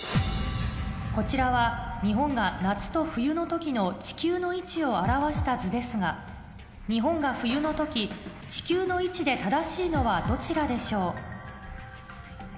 こちらは日本が夏と冬の時の地球の位置を表した図ですが日本が冬の時地球の位置で正しいのはどちらでしょう？